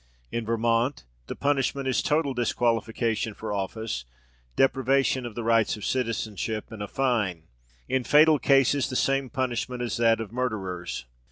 In Vermont the punishment is total disqualification for office, deprivation of the rights of citizenship, and a fine; in fatal cases, the same punishment as that of murderers.